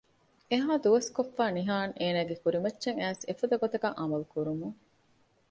އެހާ ދުވަސްކޮށްފައި ނިހާން އޭނަގެ ކުރިމައްޗަށް އައިސް އެފަދަ ގޮތަކަށް އަމަލު ކުރުމުން